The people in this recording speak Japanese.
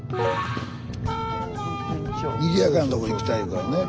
スタジオにぎやかなとこ行きたい言うからね